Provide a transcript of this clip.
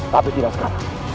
tapi tidak sekarang